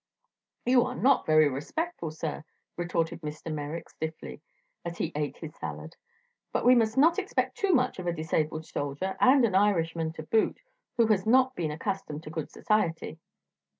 "You are not very respectful, sir," retorted Mr. Merrick stiffly, as he ate his salad. "But we must not expect too much of a disabled soldier and an Irishman to boot who has not been accustomed to good society."